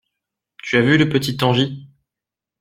Tu as vu le petit Tangi ?